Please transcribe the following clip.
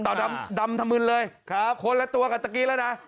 เต่าดำดำธรรมินเลยคนละตัวกันตะกี้แล้วนะ